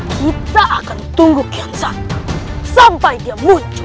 kita akan tunggu kian santam sampai dia muncul